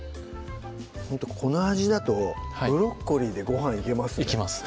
ほんとこの味だとブロッコリーでごはんいけますねいけます